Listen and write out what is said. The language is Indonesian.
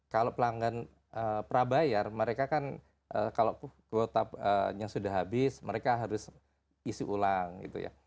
kalau pelanggan prabayar mereka kan kalau kuotanya sudah habis mereka harus isi ulang gitu ya